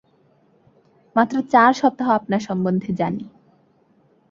মাত্র চার সপ্তাহ আপনার সম্বন্ধে জানি।